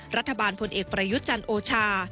รัฐบาลพลเอกประยุจรรย์โอชา